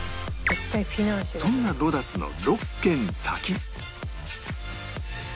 そんなロダスの６軒先